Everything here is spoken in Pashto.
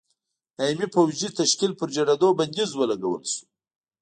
دایمي پوځي تشکیل پر جوړېدو بندیز ولګول شو.